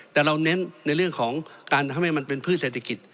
แต่เราเน้นในเรื่องของการทำให้มันเป็นพืชเศรษฐกิจ